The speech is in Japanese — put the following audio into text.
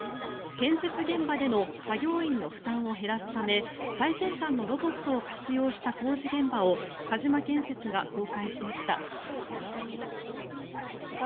建設現場での作業員の負担を減らすため最先端のロボットを活用した工事現場を鹿島建設が公開しました。